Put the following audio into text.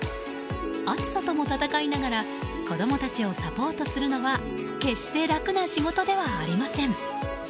暑さとも戦いながら子供たちをサポートするのは決して楽な仕事ではありません。